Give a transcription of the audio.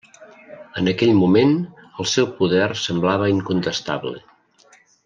En aquell moment, el seu poder semblava incontestable.